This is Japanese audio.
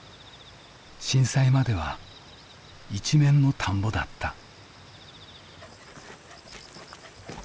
震災までは一面の田んぼだった。